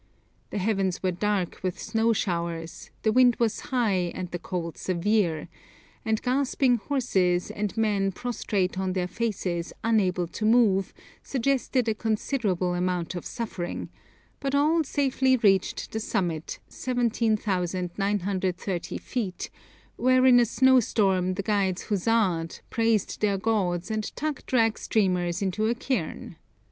The heavens were dark with snow showers, the wind was high and the cold severe, and gasping horses, and men prostrate on their faces unable to move, suggested a considerable amount of suffering; but all safely reached the summit, 17,930 feet, where in a snowstorm the guides huzzaed, praised their gods, and tucked rag streamers into a cairn.